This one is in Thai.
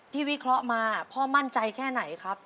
วิเคราะห์มาพ่อมั่นใจแค่ไหนครับ